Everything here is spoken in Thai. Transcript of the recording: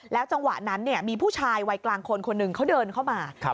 จังหวะนั้นมีผู้ชายวัยกลางคนคนหนึ่งเขาเดินเข้ามา